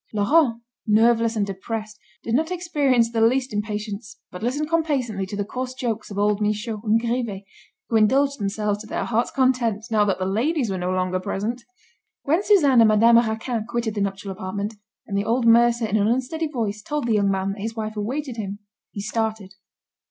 Laurent, nerveless and depressed, did not experience the least impatience, but listened complacently to the coarse jokes of old Michaud and Grivet, who indulged themselves to their hearts' content, now that the ladies were no longer present. When Suzanne and Madame Raquin quitted the nuptial apartment, and the old mercer in an unsteady voice told the young man that his wife awaited him, he started.